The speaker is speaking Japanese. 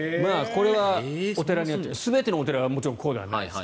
これはお寺によって全てのお寺がもちろんこうではないです。